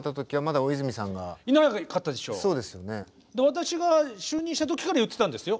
私が就任した時から言ってたんですよ。